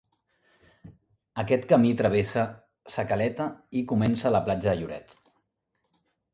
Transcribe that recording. Aquest camí travessa Sa Caleta i comença a la platja de Lloret.